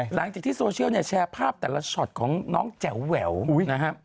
หลังจากที่โซเชียลแชร์ภาพแต่ละชอตของน้องจ๋าแหวว